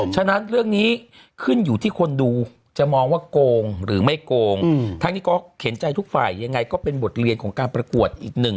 ฉะนั้นเรื่องนี้ขึ้นอยู่ที่คนดูจะมองว่าโกงหรือไม่โกงทั้งนี้ก็เห็นใจทุกฝ่ายยังไงก็เป็นบทเรียนของการประกวดอีกหนึ่ง